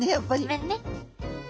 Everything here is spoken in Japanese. ごめんね。